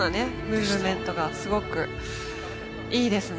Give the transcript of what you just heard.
ムーブメントがすごくいいですね。